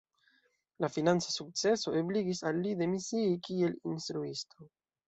La financa sukceso ebligis al li demisii kiel instruisto.